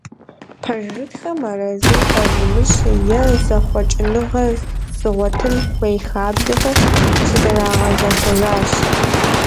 Пэжырытхэм арэзы укъэзымыщӏ, е зэхъуэкӏыныгъэ зыгъуэтын хуей хабзэхэр щызэрагъэзэхуэжащ.